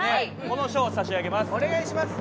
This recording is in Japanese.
この賞を差し上げます。